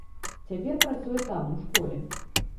Цяпер працуе там у школе.